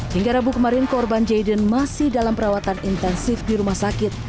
hingga rabu kemarin korban jaiden masih dalam perawatan intensif di rumah sakit